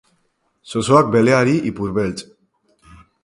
Zozoak beleari ipurbeltz.